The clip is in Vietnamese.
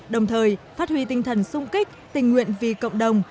đồng thời phát huy tinh thần sung kích tình nguyện vì cộng đồng